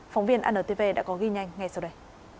phóng viên antv đã có ghi nhanh ngay sau đây